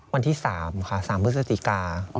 วันที่๓ค่ะ๓เพื่อสติกา